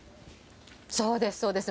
そうです、そうです。